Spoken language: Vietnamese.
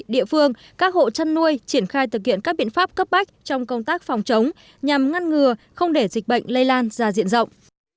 địa phương các hộ chăn nuôi triển khai thực hiện các biện pháp cấp bách trong công tác phòng chống nhằm ngăn ngừa không để dịch bệnh lây lan ra diện rộng